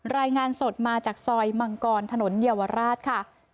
รายงานสดมาจากซอยมังกรถนนเยาวราชค่ะ